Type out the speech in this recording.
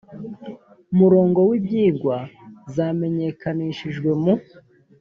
murongo w ibyigwa zamenyekanishijwe mu